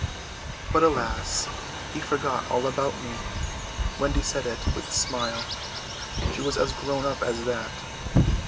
"But, alas, he forgot all about me," Wendy said it with a smile. She was as grown up as that.